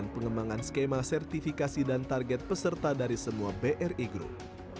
pengembangan skema sertifikasi dan target peserta dari semua bri group